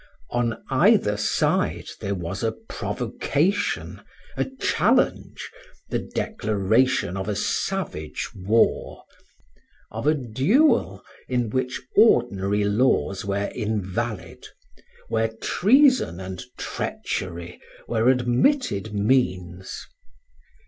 On either side there was a provocation, a challenge, the declaration of a savage war, of a duel in which ordinary laws were invalid, where treason and treachery were admitted means.